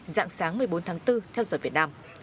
dạng sáng một mươi bốn tháng bốn theo giờ việt nam